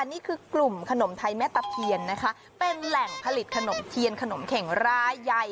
นี่คือกลุ่มขนมไทยแม่ตะเคียนนะคะเป็นแหล่งผลิตขนมเทียนขนมเข็งรายใหญ่